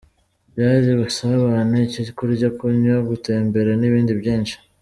Byari ubusabane; icyo kurya, kunywa, gutembere n'ibindi byinshi.